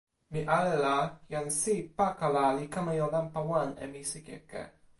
mi ale la, jan Si Pakala li kama jo nanpa wan e misikeke.